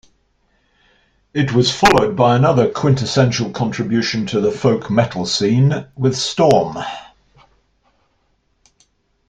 It was followed by another quintessential contribution to the folk metal scene with Storm.